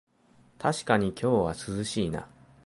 たしかに今日は涼しいな